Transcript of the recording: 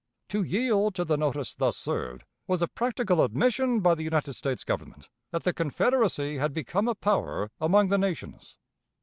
To yield to the notice thus served, was a practical admission by the United States Government that the Confederacy had become a power among the nations.